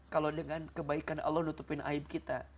kalau dengan kebaikan allah nutupin aib kita